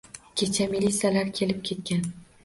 Kecha milisalar kelib ketgan.